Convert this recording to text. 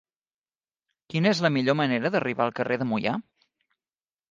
Quina és la millor manera d'arribar al carrer de Moià?